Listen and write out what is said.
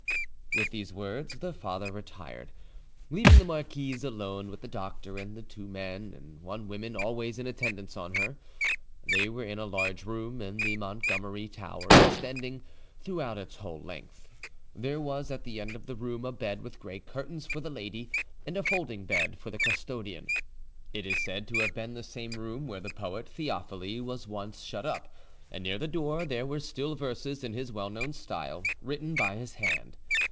With these words the father retired, leaving the marquise alone with the doctor and the two men and one woman always in attendance on her. They were in a large room in the Montgomery tower extending, throughout its whole length. There was at the end of the room a bed with grey curtains for the lady, and a folding bed for the custodian. It is said to have been the same room where the poet Theophile was once shut up, and near the door there were still verses in his well known style written by his hand.